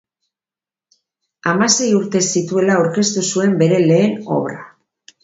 Hamasei urte zituela aurkeztu zuen bere lehen obra.